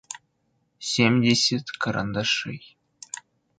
семьдесят карандашей